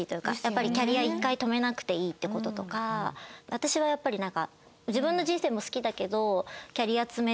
私はやっぱりなんか。